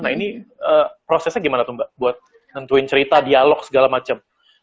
nah ini prosesnya gimana tuh mbak buat nentuin cerita dialog segala macam